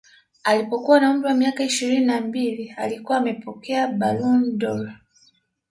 Alipokuwa na umri wa miaka ishirini na mbili alikuwa amepokea Ballon dOr